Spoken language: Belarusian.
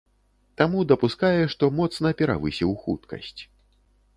Таму дапускае, што моцна перавысіў хуткасць.